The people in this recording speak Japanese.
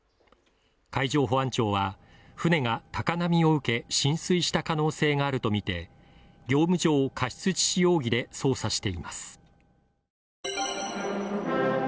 海上保安庁は、船が高波を受け浸水した可能性があるとみて、業務上過失致死容疑で捜査しています。